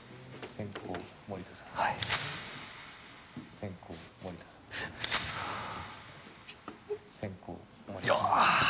・先攻森田さん・よっ。